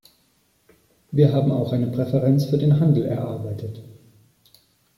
Wir haben auch eine Präferenz für den Handel erarbeitet.